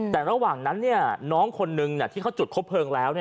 แต่ระหว่างนั้นน้องคนนึงที่เขาจุดคบเพลิงแล้ว